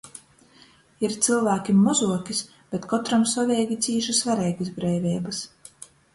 Ir cylvākim mozuokys, bet kotramsoveigi cīši svareigys breiveibys.